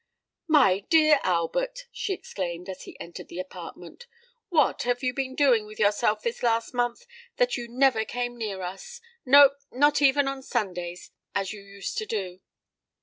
"My dear Albert," she exclaimed, as he entered the apartment, "what have you been doing with yourself this last month, that you never come near us—no, not even on Sundays, as you used to do?"